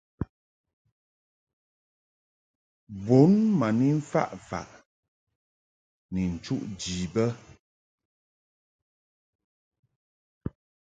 Bun ma ni mfaʼ faʼ ni nchuʼ ji bə.